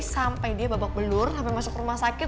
sampai dia babak belur sampai masuk rumah sakit